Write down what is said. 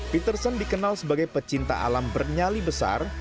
peterson dikenal sebagai pecinta alam bernyali besar